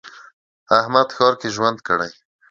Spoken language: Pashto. احمد ښار کې ژوند کړی.